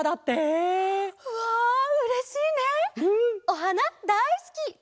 おはなだいすき！